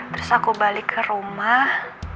terus aku balik ke rumah